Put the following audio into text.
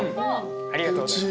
ありがとうございます。